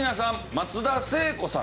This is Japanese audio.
松田聖子さん。